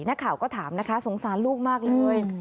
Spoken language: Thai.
นักข่าวก็ถามนะคะสงสารลูกมากเลย